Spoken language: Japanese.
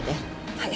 はい。